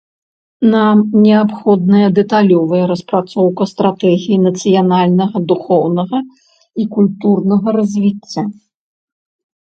Нам неабходная дэталёвая распрацоўка стратэгіі нацыянальнага духоўнага і культурнага развіцця.